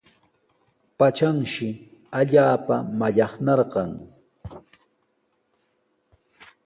Patranshi allaapa mallaqnarqan.